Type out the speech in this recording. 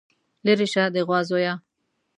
ليرې شه د غوا زويه.